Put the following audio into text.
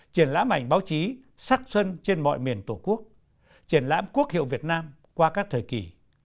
triển lãm ảnh báo chí sắc xuân trên mọi miền tổ quốc triển lãm quốc hiệu việt nam qua các thời kỳ